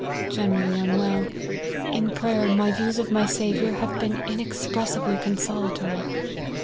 Generally unwell. In pray er, my views of my Saviour have been inexpressi bly consolatory.